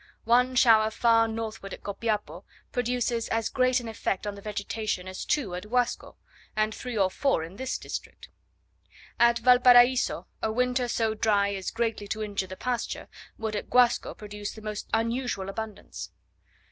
One shower far northward at Copiapo produces as great an effect on the vegetation, as two at Guasco, and three or four in this district. At Valparaiso a winter so dry as greatly to injure the pasture, would at Guasco produce the most unusual abundance.